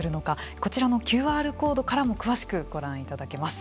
こちらのＱＲコードからも詳しくご覧いただけます。